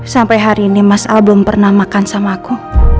sampai hari ini mas al belum pernah makan samaku